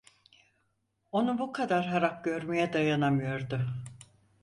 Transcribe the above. Onu bu kadar harap görmeye dayanamıyordu.